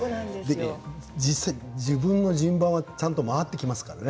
実際、自分の順番が回ってきますからね。